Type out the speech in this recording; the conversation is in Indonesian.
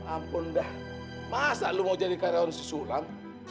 ampun dah masa lo mau jadi karyawan si sulam